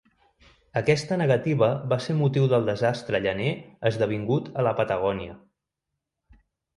Aquesta negativa va ser motiu del desastre llaner esdevingut a la Patagònia.